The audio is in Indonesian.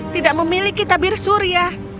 tidak memiliki tabir surya